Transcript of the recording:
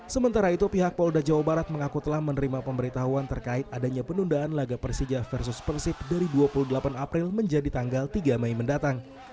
sementara itu pihak polda jawa barat mengaku telah menerima pemberitahuan terkait adanya penundaan laga persija versus persib dari dua puluh delapan april menjadi tanggal tiga mei mendatang